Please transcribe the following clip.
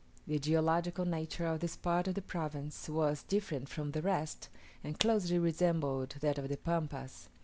The geological nature of this part of the province was different from the rest, and closely resembled that of the Pampas.